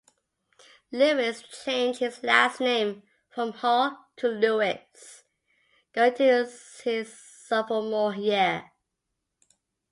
Lewis changed his last name from Hall to Lewis going into his sophomore year.